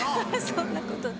そんなことない。